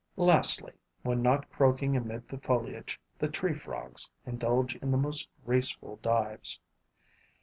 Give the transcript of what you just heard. Lastly, when not croaking amid the foliage, the tree frogs indulge in the most graceful dives.